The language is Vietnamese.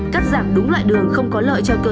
cắt giảm đúng loại đường không có lợi cho người dùng